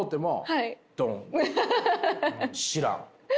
知らん。